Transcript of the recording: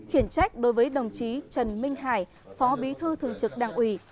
khiển trách đối với đồng chí trần minh hải phó bí thư thường trực đảng ủy